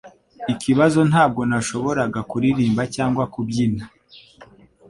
Ikibazo ntabwo nashoboraga kuririmba cyangwa kubyina.